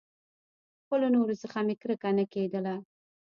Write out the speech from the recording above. خو له نورو څخه مې کرکه نه کېدله.